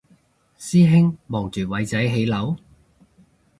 師兄望住偉仔起樓？